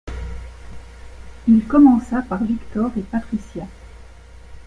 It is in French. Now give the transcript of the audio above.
Il commença par Victor et Patricia.